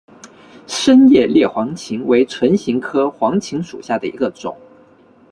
深裂叶黄芩为唇形科黄芩属下的一个种。